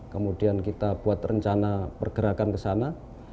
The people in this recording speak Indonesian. kemudian kita buat rencana pergerakan ke sana